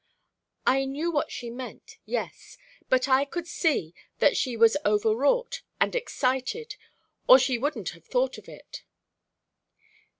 "I knew what she meant yes. But I could see that she was over wrought and excited, or she wouldn't have thought of it."